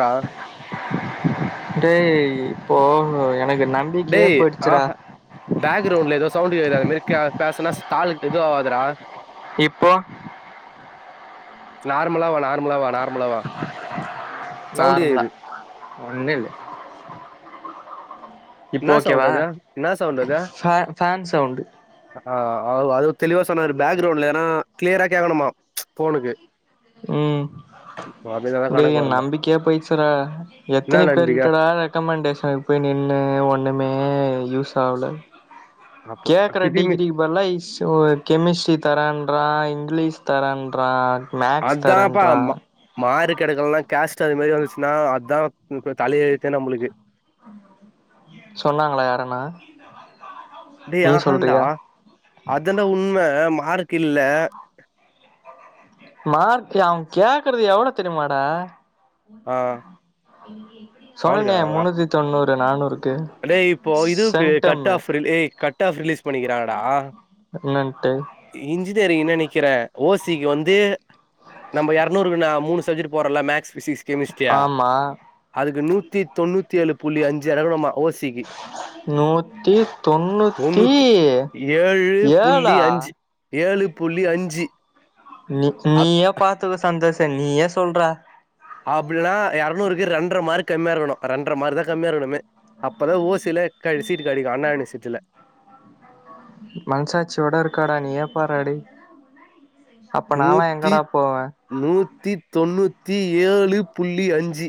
டார்ஸ் டேய் இப்போ எனக்கு நண் டேய் ஆஹ பேக்கிரவுண்ட்ல ஏதோ சவுண்ட்டு கேக்குது அதுமாறி கே பேசுனா கால் இதுவாகாதுடா இப்போ நார்மலாவா நார்மலாவா நார்மலாவா சவுண்ட்டு கேக்குது ஒண்ணும்ல்ல இப்போ என்னா சவுண்ட் ஓகேவா அது என்னா சவுண்ட் அது ஃபே- ஃபேன் சவுண்டு ஆ அவுரு அதுவும் தெளிவா சொன்னாரு பேக் கிரவுண்ட்ல ஏதனா கிளியரா கேக்கணுமா ஃபோனுக்கு உம் தான் டே கணக்கு எனக்கு வருமா நம்பிக்கையே போயிச்சுடா என்ன எத்தினி பேரு நம்பிக்கை கிட்டடா ரெக் ரெக்கமெண்டேஷனுக்கு போய் நின்னு ஒன்னுமே யூஸ் ஆவுல அப்போ கேக்குற பிசிமி டிகிரியும் இதெல்லா ஒ கெமிஸ்ட்ரி தரன்றா இங்கிலீஷ் தரன்றா மேக் அதாம்பா அம்மா மார்க்கு எடுக்கல்னா கேஸ்ட் அது மாரி வந்துச்சுன்னா அதா இப்ப தலையெழுத்தே நம்மளுக்கு சொன்னாங்ளா யாரன்னா டேய் ஆஹான்டா அத்தான்டா உண்ம மார்க்கு இல்ல மார்க்கு அவே கேக்றது எவ்ளோ தெரிமாடா ஆ அவளுக்கு சொன்னனே கேக்குறாங்க முன்னூத்தி தொண்ணூறு நானூறு டேய் இப்போ இதுவுக்கு கட் ஆஃப் ஏய் கட் ஆஃப் ரிலீஸ் பண்ணிக்கிறாங்கடா என்னன்டு இன்ஜினியரிங் நெக்கிறே ஓசிக்கு வந்து நம்போ எர்நூறு வினா மூணு சப்ஜெக்ட் போறோல மேக்ஸ் பிசிக்ஸ் கெமிஸ்ட்ரியா ஆமா அதுக்கு நூத்தி தொண்ணூத்தி ஏழு புள்ளி அஞ்சு எடகனுமா ஓசிக்கி நூத்தி தொண்ணூத்தி ஏழு ஏழா புள்ளி அஞ்சு ஏழு புள்ளி அஞ்சு உனுக் அப் நீயா பாத்துக்கோ சந்தோஷே நீ ஏ சொல்ற அப்பில்லனா எரநூறுக்கு ரென்ற மார்க் கம்மியா இருக்கணு ரென்ற மார்க் தா கம்மியா இருக்ணுமே அப்போ தா ஓசில க சீட் கெடைக்கு அண்ணா யுனிவசிட்டில மனசாச்சி ஓட இருக்கடா நீயே ஏ பாரா டேய் அப்ப நாலா நூத்தி எங்கடா போவே நூத்தி தொண்ணூத்தி ஏழு புள்ளி அஞ்சு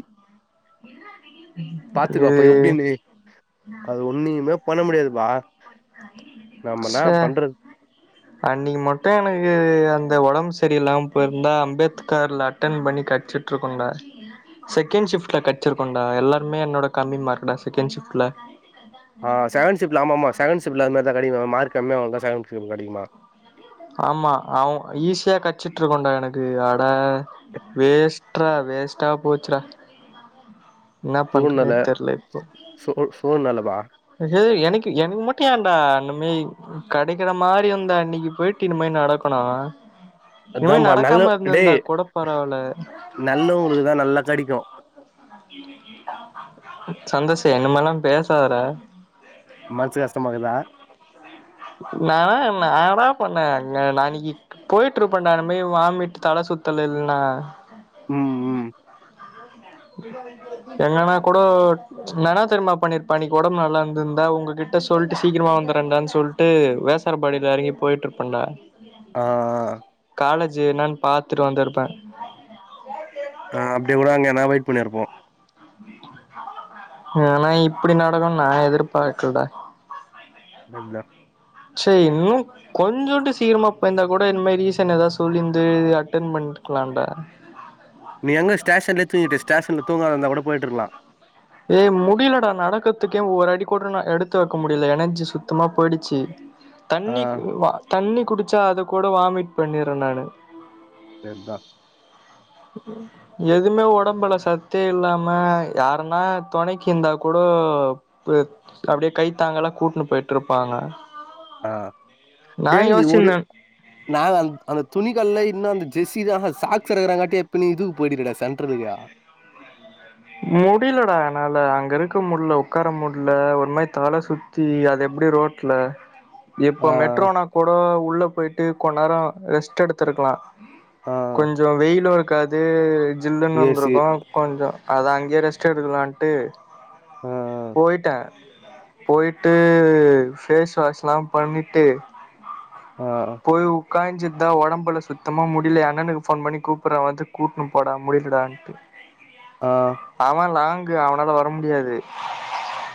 பாத்துக்கோ அப்போ இது எப்டின்னு அது ஒன்னுமே பண்ண முடியாதுபா செ அன்னிக்கி மட்டு எனக்கு அந்த ஒடம்பு செரி இல்லாம போயிருந்தா அம்பேத்கார்ல அட்டன் பண்ணி கச்சிட்டு இருக்குண்டா செகேண்ட் ஷிஃப்ட்ல கெடச்சிருக்கண்டா எல்லாருமே என்னோட கம்மி மார்க் டா செகேண்ட் ஷிஃப்ட்ல ஆ செகண்ட் ஷிப்ட்ல ஆம்மாம்மா செகண்ட் ஷிப்ட்ல அதுமாரிதா கெடக்குமா மார்க் கம்மியா வந்தா செகண்ட் ஷிப்ட்ல கெடைக்குமா ஆமா அவ ஈஸியா கச்சிட்டு இருக்கண்டா எனக்கு அட வேஸ்ட்ரா வேஸ்டா போச்சுடா இன்னா பண்றதுன்னே தெர்ல இப்போ சூழ் சூழ்நெலப்பா எ ஏய் எனக்கு எனக்கு மட்டு ஏன்டா அந்த மேரி கடைக்கிற மாரி வந்து அன்னிக்கு போயிட்டு இன்னி மாரி நடக்கணு இனிமே அதாம்பா நடக்காம இருந்திருந்தா கூட பரவால்ல நல்லவங்ளுக்கு தா நல்லா கடிக்கு சந்தோஷே இந்த மாதிலா பேசாதடா மன்சு கஷ்டமாக்குதா நானா நாடா பண்ண அங்க அன்னிக்கி போயிட்ருப்பேன்டா அந்த மாரி வாமிட் தல சுத்தல் இல்லன்னா ம் ம் எங்கன்னா கூடோ நானா தெரிமா பண்ணி இருப்ப ஒடம்பு நல்லா இருந்து இருந்தா உங்ககிட்ட சொல்டு சீக்கிரமா வந்துறண்டான்னு சொல் ட்டு வியாசர்பாடில எறங்கி போயிட்டுருப்பேன்டா ஆ ஆ காலேஜு என்னன்னு பாத்துட்டு வந்துருப்பே அ அப்டியே கூட அங்க ந வெயிட் பண்ணியிருப்போ ஆனா இப்டி நடக்குனு நா எதுர்பாக்கல்டா [unintelligible] சே இன்னு கொஞ்சோம்ட்டு சீக்கிரமா போய்ருந்தா கூட இன்மே ரீசன் ஏதாவ்து சொல்லிருந்து அட்டன் பண்ணிற்கலாம்டா நீ எங்க ஸ்டேஷன்லெ தூங்கிட்டு ஸ்டேஷன்ல தூங்காத இருந்தா கூட போய்ட்ருகலா ஏ முடிய்லடா நடக்கத்துக்கே ஒர் அடி கூட நா எடுத்து வைக்க முடியல எனர்ஜி சுத்தமா போய்டுச்சு ஆ தண்ணி கு வா தண்ணி குடிச்சா அத கூட வாமிட் பண்ணிர்றே நானு [unintelligible] ம் ம் எதுமே ஒடம்புல சத்தே இல்லாம யாருன்னா தொணைக்கி இருந்தாகுடொ [unintelligible] அப்டியே கைத்தாங்கலா கூட்டுனு போய்ட்டு இருப்பாங்க ஆ டேய் நீ உடு யோசிச்சிருந்தே நாங்க அந்த அந்த துணிகடைல இன்னு அந்த ஜெஸீத சாக்ஸ் எடுக்குற காட்டி இப்ப நீ இதுக்கு போய்டு இருக்கடா சென்ட்ரலுக்கு முடியலடா என்னால அங்க இருக்க முட்ல உக்கார முட்ல ஒரு மாரி தல சுத் த்தி அது எப்டி ரோட்ல இப்போ ஆ, மெட்ரோனா கூட உள்ள போய்ட்டு கொஞ் நேரோ ரெஸ்ட் எடுத்ருக்கலா ஆ. கொஞ்சோ வெய்யிலு இருக்காது ஜில்லுன்னு ஏசி. இருந்திருக்கு கொஞ்சோ அதா அங்கியே ரெஸ்ட் எடுக்கலாட்டு ஆ, போய்ட்டே போய்ட்டு ஃபேஸ் வாஷ்ல்லா பண்ணிட்டு ஆ போய் உக்காஞ்சிட் தா ஒடம்புல சுத்தமா முடில எ அண்ணனுக்கு ஃபோன் பண்ணி கூப்புறே வந்து கூட்ன்னு போடா முடியலடான்ட்டு ஆ அவ லாங்கு அவனால வர முடியாது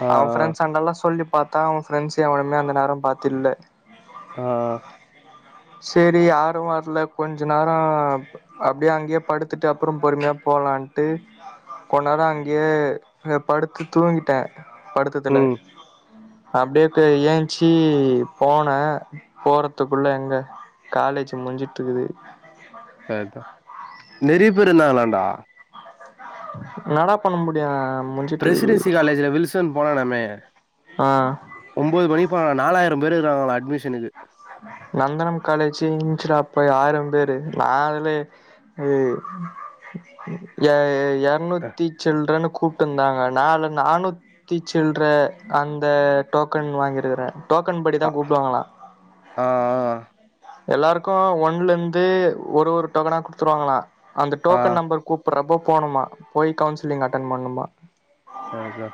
ஆ, அவ ஃப்ரெண்ட்ஸ் அண்டெல்லா சொல்லி பாத்தா அவ ஃப்ரெண்ட்ஸ் எவனுமே அந்த நேர பாத்து இல்ல ஆ ஆ சேரி யாரு வர்ல கொஞ்ச நேரோ அப்டியே அங்கேயே படுத்துட்டு அப்றோ பொறுமையா போலான்ட்டு கொண்நேரோ அங்கேயே படுத்து தூங்கிட்டே படுத்ததுல ம். அப்டியே பேய் ஏஞ்சி போனே போறதுக்குள்ள எங்க காலேஜ் முடிஞ்சிட்டுக்குது அதுதா நெறைய பேரு இருந்தாங்களாடா என்னடா பண்ண முடியு மூஞ் பிரசிடென்சி காலேஜ்ல வில்சன் போனானாமே ஆ ஒம்போது மணிக்கு போன நாலாயிர பேர் இருக்காங்களா அட்மிஷனுக்கு நந்தனம் காலேஜி இச்சரா அப்ப ஆயரோ பேரு நா அதுல ஏ ய அ, எர்ணுத்தி சில்ற்றன்னு குப் டுந்தாங்க நா அதுல நானூத்தி சில்ற அந்த டோக்கன் வாங்கிருக்கறே டோக்கன் படி தா கூப்டுவாங்களா ஆ ஆ எல்லாருக்கு ஒன்னலருந்து ஒரு ஒரு டோக்கனா குடுத்துருவாங்களா அந்த ஆ, டோக்கன் நம்பர் கூப்பறப்போ போணுமா போய் கவுன்சிலிங் அட்டென் பண்ணுமா ஆ அதா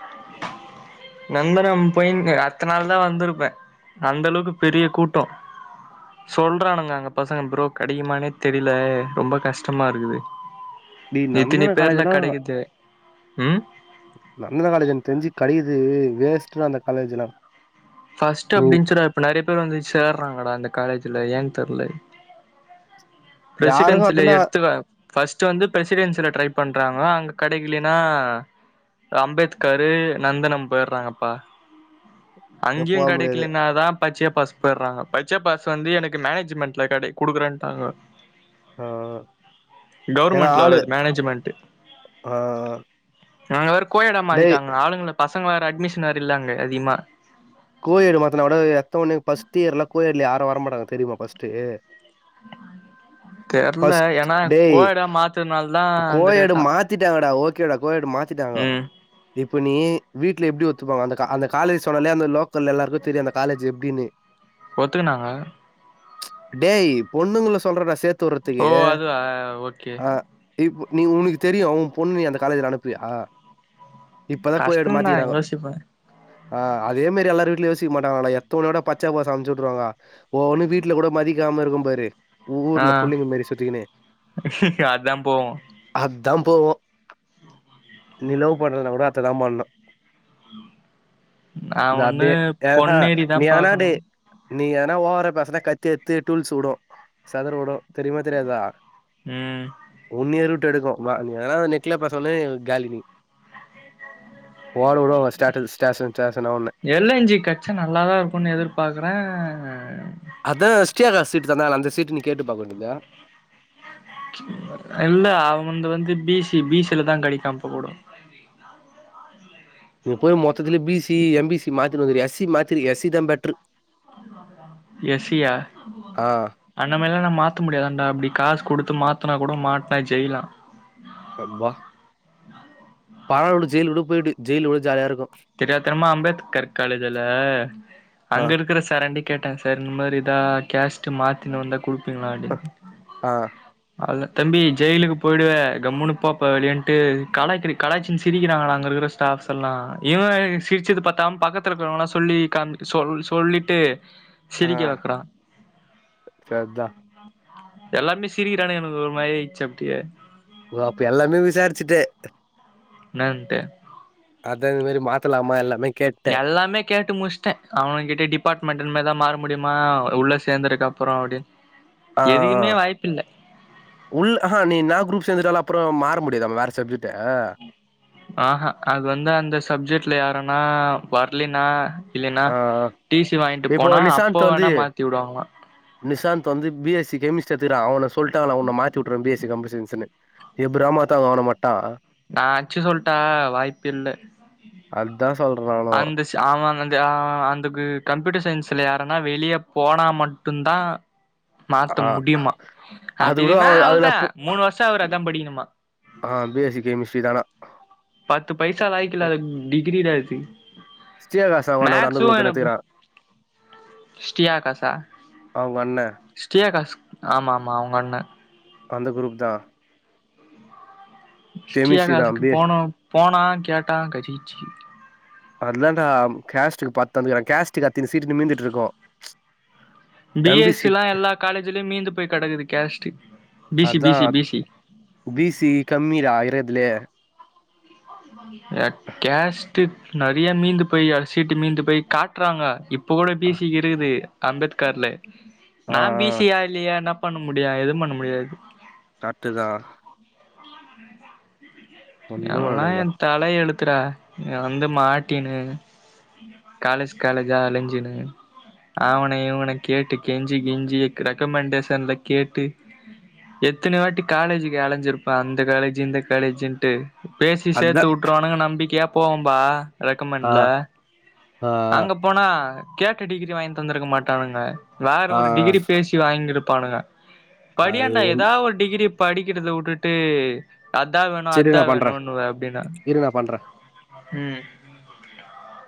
நந்தனம் போயிங்கு அடுத்த நாள்தா வந்துருப்பே அந்த அளவுக்கு பெரிய கூட்டோ சொல்றானுங்க அங்க பசங்க ப்ரோ கெடைக்குமானே தெரியில ரொம்ப கஷ்டமாயிருக்குது டேய் இத்தினி நந்தன பேர்ல காலேஜ்லாம் கெடைக்குது ம் நந்தனோ காலேஜு எனக்தெரிஞ்சு கெடைக்கிறது வேஸ்ட்றா அந்த காலேஜுனா ஃபர்ஸ்ட்டு அப்டின் இருந்துசுடா இப்ப நெறைய பேர் வந்து சேர்றாங்கடா இந்த காலேஜுல ஏன் தெர்ல யாருக்கும் ப்ரெசிடன்சில அத்தன எடுத்துவ ஃபர்ஸ்ட்டு வந்து ப்ரசிடென்சில ட்ரை பண்றோங்க அங்க கெடைக்கலேன்னா அம்பேத்காரு நந்தனம் போய்ர்றாங்கப்பா அங்கேயு போக முடியாது. கெடைக்கிலனாதா பச்சையப்பாஸ் போயிர்றாங்க பச்சையப்பாஸ் வந்து எனக்கு மேனேஜ்மெண்ட்ல கெடை குடுக்குறேன்டாங்க ஆ ஆ கவுர்மெண்ட்ல வராது மேனேஜ்மெண்ட்டு ஆ, அங்க வேற கோயடா டேய் மாத்திட்டாங்க ஆளுங்கள பசங்க வேற அட்மிஷன் வேற இல்ல அங்க அதிகமா கோயட்டு மாத்துனா கூட எடுத்த ஒட்னே பர்ஸ்ட்டு இயர்ல்ல கோயட்ல யாரு வரமாட்டாங்க தெரியுமா பஸ்ட்டு [inaudible] தெர்ல ஃபர்ஸ்ட் ஏன்னா டேய் கோயடா மாத்துறனால தா அந்த ரேட்டா திட்டாங்கடா ஓகேடா கோயட்டு மாத்திட்டாங்கோ ம் இப்ப நீ வீட்ல எப்டி ஒத்துப்பாங்க அந்த கா அந்த காலேஜ் சொன்னல அந்த லோக்கல்ல எல்லாருக்கு தெரியு அந்த காலேஜு எப் டினு ஒத்துக்குனாங்க டேய் பொண்ணுங்கல சொல்றேன்டா சேத்து ஓ வுட்றதுக்கு அதுவா ஓகே ஆ இப் நீ உனக்கு தெரியு உம் பொண்ணு நீ அந்த காலேஜுல அனுப்புவியா இப்பதா கோயட்டு கஷ்டந்தா மாத்திகிறாங்கோ யோசிப்பே ஆ அதே மாரி எல்லார் எந்த வீட்ல யோசிக்க மாட்டாங்களாடா எட்த்தவனையோட பச்சாப்பாஸ் அம்ச்சுவுட்ருவாங்க ஓ ஒன்னு வீட்ல கூட மதிக்காம இருக்கும் பாரு ஆ ஊர்ல புள்ளிங்கோ மாறி சுத்திக்கினு அதா போவு அத்தா போவு நிலவு பண்றதுனா கூட அத்ததா பண்ணு நா ஒன்னு ஏ ஹா நீ ஆனா டே நீ எதுனா ஓவரா பேசுனா கத்தி எட்த்து டூல்ஸ் உடு செதர உடு தெரியுமா தெரியாதா ம் உன்னியே ரூட் எடுக்கு மா நீ வேன்னா நெட்ல பேசாமலயே காலி நீ ஓட வுடுவங்க ஸ்டேட்ஸ் ஸ்டேஷன் ஸ்டேஷனா உன்ன எல்எஞ்ஜி கெட்சா நல்லாதா இருக்குன்னு எதிர்பாக்குறோ அதா [unintelligible] சீட்டு தந்தா நா அந்த சீட்டு நீ கேட்டுப் பாக்க வேண்டியதா இல்ல அவன்ந்து வந்து பி சி பி சிலதா கெடைக்கு அப்பக்கூட நீ போய் மொத்துல B C M B C மாத்தினு வந்துருயா எஸ் மாத்திருக்கியா எஸ் சிதா பெட்ரு எஸ் சியா ஆ அந்த மாரிலா நா மாத்த முடியாதான்டா அப்டி காசு குடுத்து மாத்துனா கூட மாட்னா ஜெயிலா ஹப்பா பரவால்ல விடு ஜெயில்கூட போய்டு ஜெயில்ல குட ஜாலியா இருக்கு தெரியாதனமா அம்பேத்கர் காலேஜ்ல ஆ அங்க இருக்குற சரோன்டிங் கேட்டே சார் இந்த மாரி இதா கேஷ்ட்டு மாத்தின்னு வந்தா குடுப்பீங்களான்டு ஆ அதுல தம்பி ஜெயிலுக்கு போய்டுவ கம்முனு போப்பா வெளியன்ட்டு காலக்கிரு கலாய்சி சிரிக்கிறாங்கடா அங்க இருக்கிற ஸ்ட ஸ்டாப்ஸ் எல்லா இவே சிரிச்சது பத்தாம பக்கத்துலருக்கிறவலா சொல்லி காம்ச்ட்டு சொல் சொல்லிட்டு ஆ சிரிக்க வக்கறா அதா எல்லாருமே சிரிக்கிறானுங்க எனக்கு ஒரு மாரியாய்ச்சி அப்டியே ஓ அப்ப எல்லாமே விசாரிச்சுட்ட என்னாண்ட்டு அதா இது மாரி மாத்தலமா எல்லாமே கேட்டே எல்லாமே கேட்டு முடிச்சிட்டே அவங்கிட்டே டிபார்ட்மெண்ட் இனிமேல்தா மாற முடியுமா உள்ளே சேந்தருக்கப்றோ அப்டின் ஆ ஆ எதுக்குமே வாய்ப்பில்ல உள்ள அஹா நீ என்னா குரூப் சேந்துட்டாலு அப்றோ மாற முடியாத வேற சப்ஜெக்ட்டு ஆஹா அது வந்து அந்த சப்ஜெக்ட்ல யாரன்னா வர்லன்னா இல்லைன்னா ஆ டி சி வாங்கிட்டு இப்போ போனா அப்போ வேணா மாத்தி வுடுவாங்கலா நிசாந் வந்து பி எஸ் சி கெமிஸ்ட் எடுத்துக்குறா அவன சொல்ட்டாங்கள உன்ன மாத் தி வுட்டற பி எஸ் சி கம்ப்யூட்டர் சயின்ஸ்ன்னு எப்புறா மாத்துராங்க அவன மட்டு நா அச்சு சொல்ட்ட வாய்ப்பு இல்ல அதா சொல்றே நானு சா அவெ வந்து அ அந்துக்கு கம்ப்யூட்டர் சயின்ஸ்ல யாரனா வெளிய போன மட்டுந்தா மாத்த ஆ முடியும்மா அது அப்டி கூட இல்லனா அவ அதுல அவொள்தா போ மூணு வருஷோ அவர் அதா படிக்ணுமா ஆ பி எஸ் சி கெமிஸ்ட்ரி தானா பத்து பைசா லாயக்கில்லாத டிகிரி டா இது ஸ்ரீ ஆகாஷ் அவோ அண்ணங்கூட அந்த குருப்புதான எடுத்துக்குறா ஶ்ரீ ஆகாஷா அவங்க அண்ண ஶ்ரீ ஆகாஷ் ஆமா ஆமா அவங்க அண்ணே அந்த குரூப்தா ஶ்ரீ கெமிஸ்ட்ரி தா ஆகாஷ்க்கு பி எஸ் போனோ போனா கேட்டா கெசுக்சு அதுலதான்டா கேஸ்டுக்கு பாத் தந்திருக்குறா கேஸ்டுக்கு அத்தின சீட்டு நிமிந்துட்ருக்கு பி எஸ் சி லா எல்லா காலேஜ்லையு மீந்து போய் கெடக்குது கேஸ்ட்டு பி சி பி அதா C B C B C கம்மிரா இருகதுலே அ கேஷ்டு நெறைய மீந்து போய் அர சீட்டு மீந்து போய் காட்றாங்க இப் ப கூட பி ஆ சி க்கு இருக்குது அம்பேத்கார்ல ஆ நா பி சி யா இல்லையே என்னா பண்ண முடியு எதும் பண்ண முடியாது கர்ட்டுதா ஒன்னு பண்ண எல்லா எ முடியாதுப்பா தல எழுத்துறா இங்க வந்து மாட்டினு காலேஜ் காலேஜா அலஞ்சுனு அவன இவன கேட்டு கெஞ்சி கிஞ்சி ரெக்கமெண்டேஷன்ல கேட்டு எத்துன வாட்டி காலேஜுக் அலஞ்சிருப்ப அந்த காலேஜ் இந்த காலேஜுன் ட்டு பேசி அதுதா சேத்து உட்ருவானுங்கனு நம்பிக்கையா போவம்பா ஆ ரெக்கமெண்ட்ல ஆ அங்க போனா கேட்ட டிகிரி வாங்கி தந்திருக்க மாட்டானுங்க வேற ஆ ஒரு டிகிரி பேசி வாங்கிருப்பானுங்க அது படியாண்டா ஒன் எதாவ் ஒரு டிகிரிய படிக்கிறத உட்டுட்டு அதா வேணு செரி அதா நா பண்றே வேண்ணுனுவ அப்டின்னா இரு நா பண்றே ம்